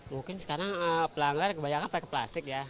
mungkin sekarang pelanggar kebanyakan pakai plastik ya